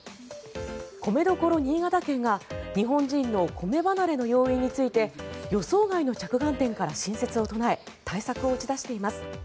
米どころ・新潟県が日本人の米離れの要因について予想外の着眼点から新説を唱え対策を打ち出しています。